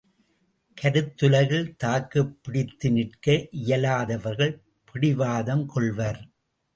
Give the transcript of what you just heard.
கருத்துலகில் தாக்குப்பிடித்து நிற்க இயலாதவர்கள் பிடிவாதம் கொள்வர்.